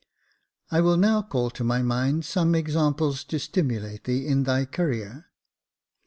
I will now call to my mind some examples to stimulate thee in thy career."